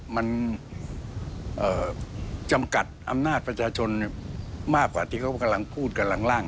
มันจำกัดอำนาจประชาชนมากกว่าที่เขากำลังพูดกันหลังร่าง